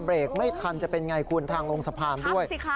เบรกไม่ทันจะเป็นไงคุณทางลงสะพานด้วย